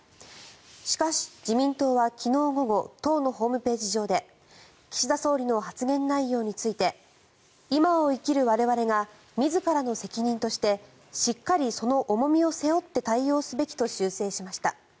しかし、自民党は昨日午後党のホームページ上で岸田総理の発言内容について今を生きる我々が自らの責任としてしっかりその重みを背負って対応すべきと修正しました。